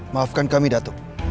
maafkan kami datuk